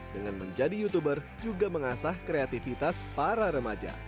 dengan menjadi youtuber juga mengasah kreativitas para remaja